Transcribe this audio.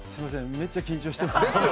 めっちゃ緊張してます。